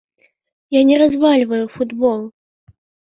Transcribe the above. Я не развальваю футбол.